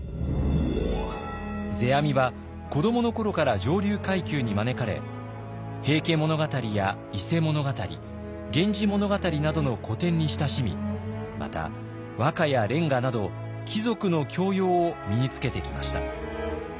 世阿弥は子どものころから上流階級に招かれ「平家物語」や「伊勢物語」「源氏物語」などの古典に親しみまた和歌や連歌など貴族の教養を身につけてきました。